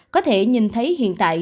có thể nhìn thấy hiện tại